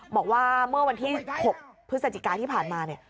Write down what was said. บอกว่าเมื่อวันที่๖พฤศจิกาที่ผ่านมาเนี่ย